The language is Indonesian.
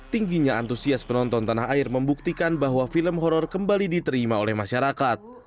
tingginya antusias penonton tanah air membuktikan bahwa film horror kembali diterima oleh masyarakat